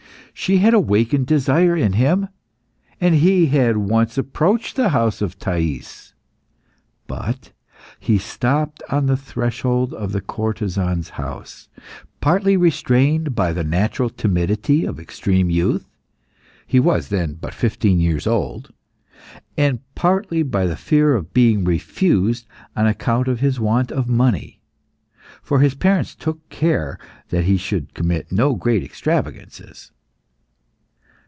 She had awakened desire in him, and he had once approached the house of Thais. But he stopped on the threshold of the courtesan's house, partly restrained by the natural timidity of extreme youth he was then but fifteen years old and partly by the fear of being refused on account of his want of money, for his parents took care that he should commit no great extravagances.